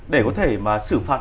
để có thể mà xử phạt